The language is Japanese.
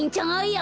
あ？